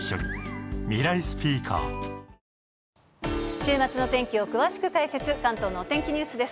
週末の天気を詳しく解説、関東のお天気ＮＥＷＳです。